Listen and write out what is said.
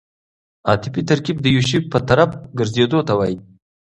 عطفي ترکیب د یو شي په طرف ګرځېدو ته وایي.